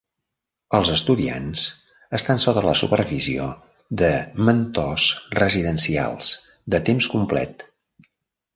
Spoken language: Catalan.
Els estudiants estan sota la supervisió de Mentors Residencials de temps complet.